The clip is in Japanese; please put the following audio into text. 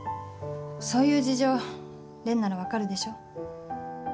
そういう事情蓮なら分かるでしょ。